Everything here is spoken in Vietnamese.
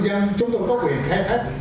ngư dân chúng tôi có quyền khai thác